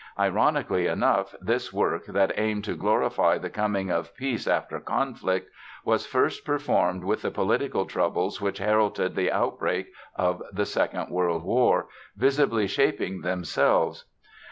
Ironically enough this work that aimed to glorify the coming of peace after conflict, was first performed with the political troubles which heralded the outbreak of the Second World War, visibly shaping themselves.